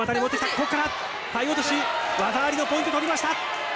ここから、体落とし、技ありのポイント取りました。